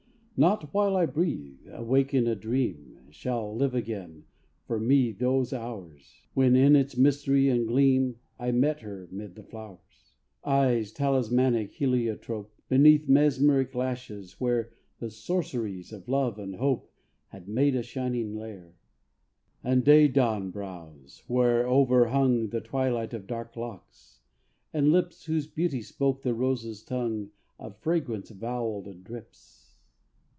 _ _Not while I breathe, awake adream, Shall live again for me those hours, When, in its mystery and gleam, I met her 'mid the flowers._ Eyes, talismanic heliotrope, Beneath mesmeric lashes, where The sorceries of love and hope Had made a shining lair. _And daydawn brows, whereover hung The twilight of dark locks; and lips, Whose beauty spoke the rose's tongue Of fragrance voweled drips.